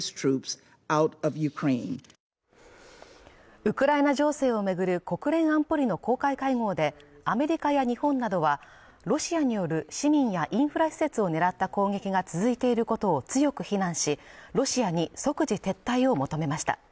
ウクライナ情勢を巡る国連安保理の公開会合でアメリカや日本などはロシアによる市民やインフラ施設を狙った攻撃が続いていることを強く非難しロシアに即時撤退を求めました